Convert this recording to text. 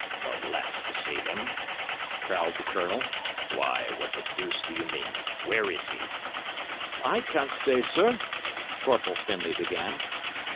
"The last to see him," growled the Colonel. "Why, what the deuce do you mean. Where is he?" "I can't say, sir," Corporal Findlay began.